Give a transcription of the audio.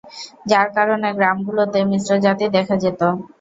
যার কারণে গ্রামগুলোতে মিশ্র জাতি দেখা যেতো।